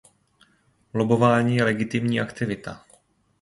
Lobbování je legitimní aktivita.